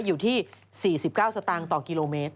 อยู่ที่๔๙สตางค์ต่อกิโลเมตร